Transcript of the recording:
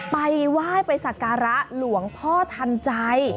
ไปไหว้ไปสักการะหลวงพ่อทันใจ